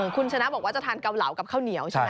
คุณชนะบอกว่าจะทานเกาเหลากับข้าวเหนียวใช่ไหม